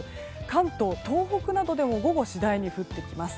関東、東北などでも午後次第に降ってきます。